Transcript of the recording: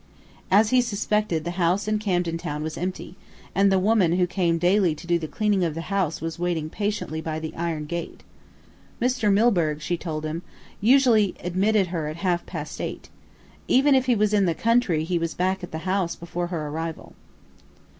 As he had suspected, the house in Camden Town was empty, and the woman who came daily to do the cleaning of the house was waiting patiently by the iron gate. Mr. Milburgh, she told them, usually admitted her at half past eight. Even if he was "in the country" he was back at the house before her arrival.